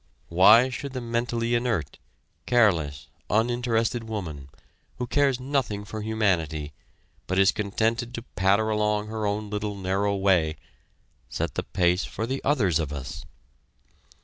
Why should the mentally inert, careless, uninterested woman, who cares nothing for humanity but is contented to patter along her own little narrow way, set the pace for the others of us?